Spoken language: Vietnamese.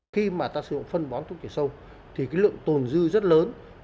khi mà ta sử dụng phân bón thuốc chảy sông thì cái lượng tồn dư rất lớn